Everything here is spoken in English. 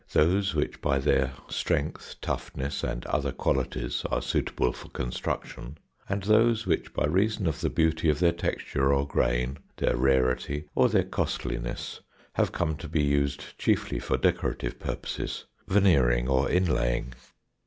those which by their strength, toughness, and other qualities are suitable for construction, and those which by reason of the beauty of their texture or grain, their rarity, or their costliness, have come to be used chiefly for decorative purposes veneering or inlaying.